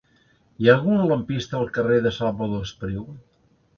Hi ha algun lampista al carrer de Salvador Espriu?